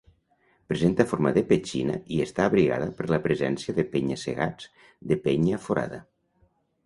Presenta forma de petxina i està abrigada per la presència de penya-segats de penya Forada.